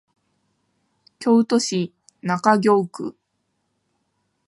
京都市中京区